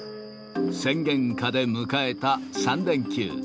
宣言下で迎えた３連休。